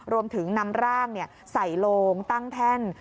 รวมถึงนำร่างใส่โลงตั้งแท่น